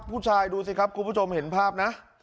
ดูสิครับคุณผู้ชมเห็นภาพนะ